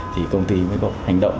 thì công ty mới có hành động